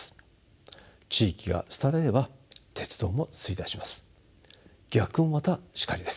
地域が廃れれば鉄道も衰退します。